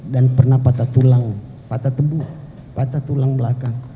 dan pernah patah tulang patah tebu patah tulang belakang